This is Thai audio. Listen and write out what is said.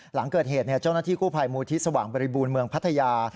หลังเกิดเหตุเจ้าหน้าที่กู้ภัยมูลที่สว่างบริบูรณ์เมืองพัทยา